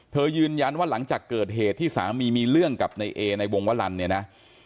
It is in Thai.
ยืนยันว่าหลังจากเกิดเหตุที่สามีมีเรื่องกับในเอในวงวลันเนี่ยนะ